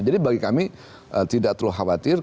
jadi bagi kami tidak terlalu khawatir